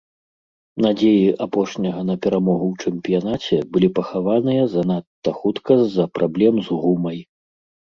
Надзеі апошняга на перамогу ў чэмпіянаце былі пахаваныя занадта хутка з-за праблем з гумай.